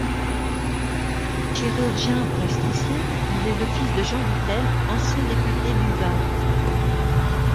Chirurgien plasticien, il est le fils de Jean Vitel, ancien député du Var.